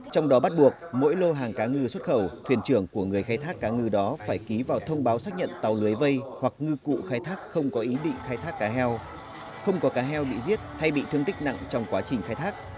trong đó bắt buộc mỗi lô hàng cá ngừ xuất khẩu thuyền trưởng của người khai thác cá ngừ đó phải ký vào thông báo xác nhận tàu lưới vây hoặc ngư cụ khai thác không có ý định khai thác cá heo không có cá heo bị giết hay bị thương tích nặng trong quá trình khai thác